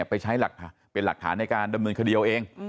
ไปใช้เป็นหลักฐานในการดำเนินคดีเอาเอง